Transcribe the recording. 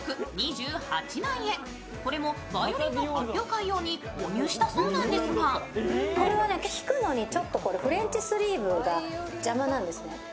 これもバイオリンの発表会用に購入したそうですが弾くのにフレンチスリーブが邪魔なんですね。